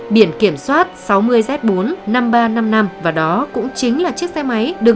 điện thoại thì không liên lạc được